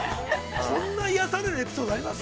◆こんな癒やされるエピソードあります？